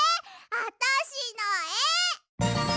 あたしのえ！